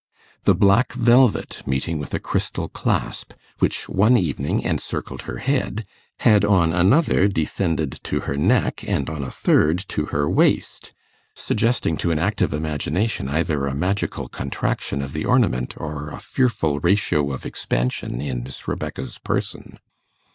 The black velvet, meeting with a crystal clasp, which one evening encircled her head, had on another descended to her neck, and on a third to her waist, suggesting to an active imagination either a magical contraction of the ornament, or a fearful ratio of expansion in Miss Rebecca's person.